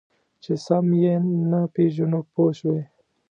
چې سم یې نه پېژنو پوه شوې!.